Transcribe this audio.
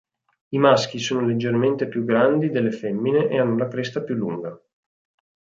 I maschi sono leggermente più grandi delle femmine e hanno la cresta più lunga.